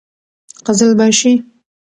قـــزلــباشــــــــــي